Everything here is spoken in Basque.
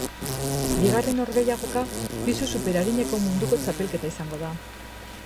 Bigarren norgehiagoka pisu superarineko munduko txapelketa izango da.